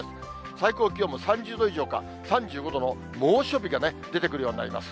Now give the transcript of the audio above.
最高気温も３０度以上か、３５度の猛暑日が出てくるようになります。